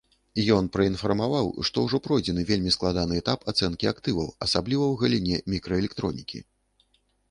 Ён праінфармаваў, што ўжо пройдзены вельмі складаны этап ацэнкі актываў, асабліва ў галіне мікраэлектронікі.